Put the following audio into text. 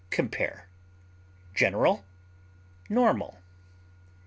Compare GENERAL; NORMAL.